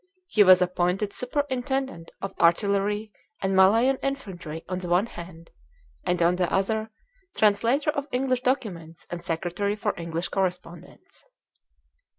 He was appointed Superintendent of Artillery and Malayan Infantry on the one hand; and on the other, Translator of English Documents and Secretary for English Correspondence.